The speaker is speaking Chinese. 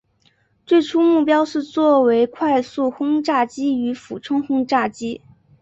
最初目标是作为快速轰炸机与俯冲轰炸机。